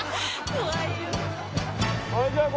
「怖いよう」。